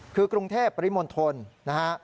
คือกรุงเทพปริมณฑลนะฮะ